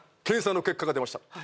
検査の結果が出ました